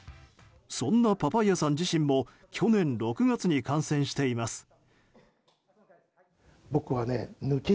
そんなパパイヤさん自身も去年６月に感染しています。